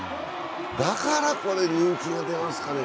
だから、これ人気が出ますかね。